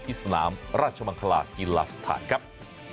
ที่สนามราชมังคลาอิลาสไทยครับ